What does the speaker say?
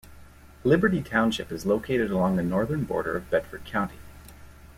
Liberty Township is located along the northern border of Bedford County.